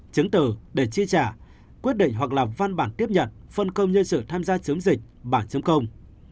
chứng từ để chi trả quyết định hoặc làm văn bản tiếp nhận phân công nhân sự tham gia chứng dịch bản chứng công